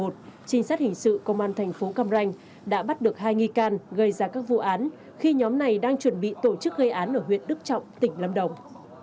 trinh sát hình sự công an thành phố cam ranh đã bắt được hai nghi can gây ra các vụ án khi nhóm này đang chuẩn bị tổ chức gây án ở huyện đức trọng tỉnh lâm đồng